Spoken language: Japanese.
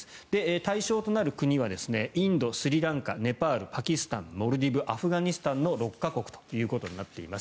対象となる国はインド、スリランカ、ネパールパキスタン、モルディブアフガニスタン６か国ということになっています。